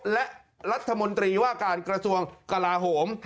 และรัฐมนตรีว่าการกระทรวงกลาโหม